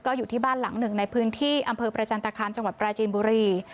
อยู่ที่บ้านหลังหนึ่งในพื้นที่อำเภอประจันตคามจังหวัดปราจีนบุรี